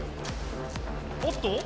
おっと？